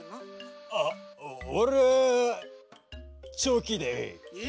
・あおれはチョキでい。え！？